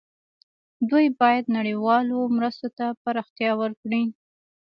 دوی باید نړیوالو مرستو ته پراختیا ورکړي.